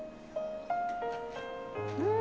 うん！